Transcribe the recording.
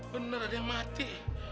bener ada yang mati